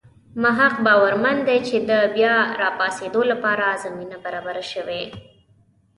مح ق باورمن دی چې د بیا راپاڅېدو لپاره زمینه برابره شوې.